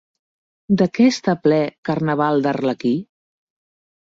De què està ple Carnaval d'Arlequí?